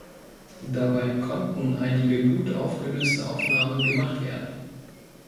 Dabei konnten einige gut aufgelöste Aufnahmen gemacht werden.